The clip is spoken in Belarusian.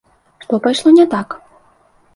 Што пайшло не так?